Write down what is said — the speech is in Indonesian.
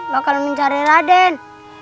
bakal mencari raden